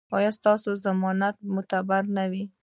ایا ستاسو ضمانت به معتبر نه وي؟